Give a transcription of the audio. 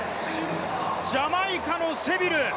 ジャマイカのセビル。